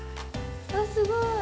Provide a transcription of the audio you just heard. あっすごい。